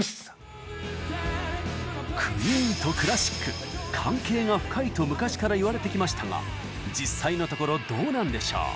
なんかもう関係が深いと昔から言われてきましたが実際のところどうなんでしょう？